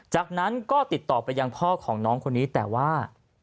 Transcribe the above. จากนั้นก็ติดต่อไปยังพ่อของน้องคนนี้แต่ว่า